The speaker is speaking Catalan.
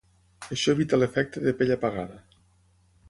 Això evita l'efecte de "pell apagada".